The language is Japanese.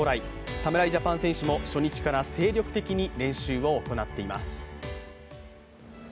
侍ジャパン戦士も初日から精力的に練習を行っています。